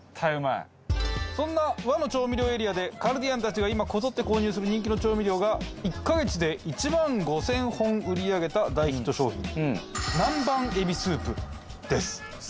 そんな和の調味料エリアでカルディアンたちが今こぞって購入する人気の調味料が１カ月で１万５０００本売り上げた大ヒット商品南蛮えびスープです。